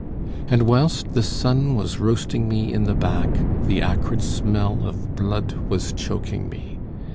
And whilst the sun was roasting me in the back, the acrid smell of blood was choking me.